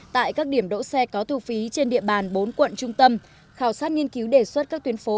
tại các điểm đỗ xe có thu phí trên địa bàn bốn quận trung tâm khảo sát nghiên cứu đề xuất các tuyến phố